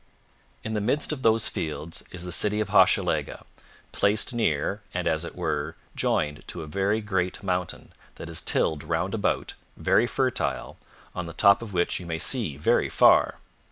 In the midst of those fields is the city of Hochelaga, placed near and, as it were, joined to a very great mountain, that is tilled round about, very fertile, on the top of which you may see very far.